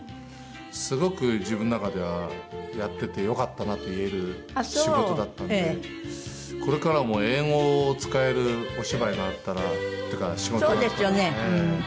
すごく自分の中ではやっててよかったなと言える仕事だったのでこれからも英語を使えるお芝居があったら。